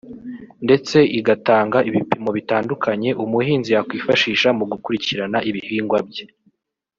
ndetse igatanga ibipimo bitandukanye umuhinzi yakwifashisha mu gukurikirana ibihingwa bye